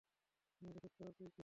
আমাকে চুপ করার তুই কে রে?